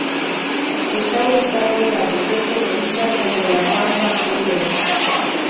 Está ubicado en la región conocida como la pampa húmeda.